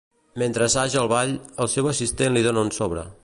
Mentre assaja el ball, el seu assistent li dóna un sobre.